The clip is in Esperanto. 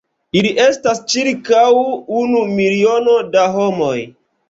Ili estas ĉirkaŭ unu miliono da homoj.